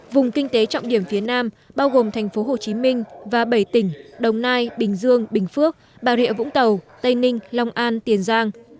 vùng kinh tế trọng điểm phía nam bao gồm thành phố hồ chí minh và bảy tỉnh đồng nai bình dương bình phước bà rịa vũng tàu tây ninh long an tiền giang